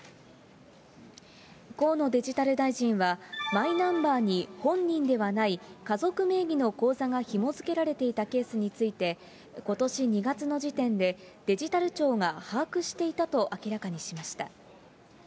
河野デジタル大臣は、マイナンバーに本人ではない家族名義の口座がひもづけられていたケースについて、ことし２月の時点で、デジタル庁が把握していたと明らかにしました。